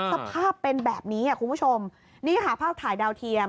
สภาพเป็นแบบนี้คุณผู้ชมนี่ค่ะภาพถ่ายดาวเทียม